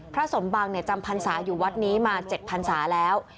สมบังจำพรรษาอยู่วัดนี้มา๗พันศาแล้ว